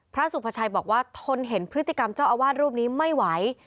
พระสุภาชัยบอกว่าทนเห็นพฤติกรรมเจ้าอาวาสรูปนี้ไม่ไหว